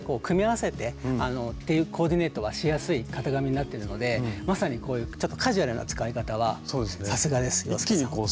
組み合わせてっていうコーディネートがしやすい型紙になってるのでまさにこういうちょっとカジュアルな使い方はさすがです洋輔さん。